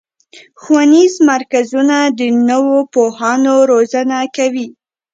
ښوونیز مرکزونه د نوو پوهانو روزنه کوي.